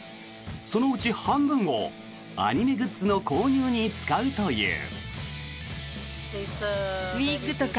そのうち半分をアニメグッズの購入に使うという。